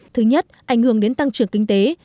thứ nhất ảnh hưởng đến tăng trưởng kinh tế